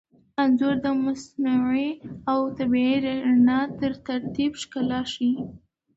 انځور د مصنوعي او طبیعي رڼا تر ترکیب ښکلا ښيي.